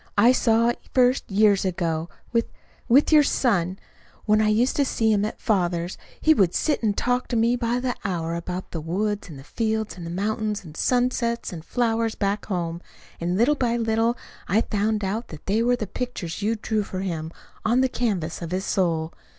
I saw it first years ago, with with your son, when I used to see him at father's. He would sit and talk to me by the hour about the woods and fields and mountains, the sunsets and the flowers back home; and little by little I found out that they were the pictures you drew for him on the canvas of his soul.